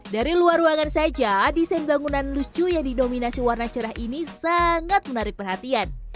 dari luar ruangan saja desain bangunan lucu yang didominasi warna cerah ini sangat menarik perhatian